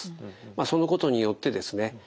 そのことによってですね